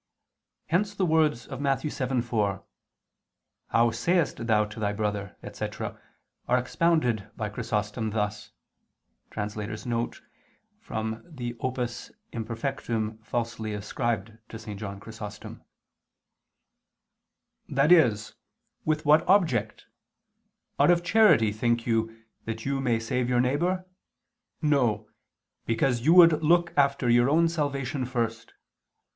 Hence the words of Matt. 7:4, "How sayest thou to thy brother?" etc. are expounded by Chrysostom [*Hom. xvii in the Opus Imperfectum falsely ascribed to St. John Chrysostom] thus: "That is 'With what object?' Out of charity, think you, that you may save your neighbor?" No, "because you would look after your own salvation first.